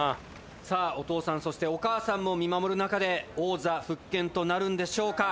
さあお父さんそしてお母さんも見守る中で王座復権となるんでしょうか。